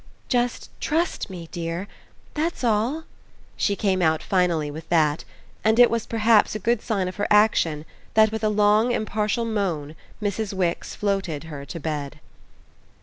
"Just TRUST me, dear; that's all!" she came out finally with that; and it was perhaps a good sign of her action that with a long, impartial moan Mrs. Wix floated her to bed.